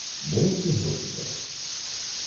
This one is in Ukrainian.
Де він ті гроші бере?